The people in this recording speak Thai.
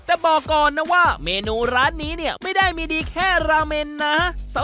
แต่บอกก่อนนะว่าเมนูร้านนี้เนี่ยไม่ได้มีดีแค่ราเมนนะ